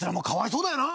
そうだよな。